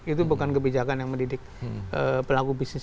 itu bukan kebijakan yang mendidik pelaku bisnis